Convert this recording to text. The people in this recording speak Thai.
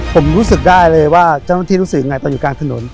ผมรู้สึกได้เลยว่าเจ้าหน้าที่รู้สึกยังไงตอนอยู่กลางถนน